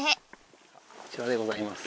こちらでございます。